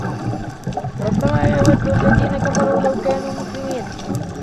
رُبَمَا يَوَدُّ الَّذِينَ كَفَرُوا لَوْ كَانُوا مُسْلِمِينَ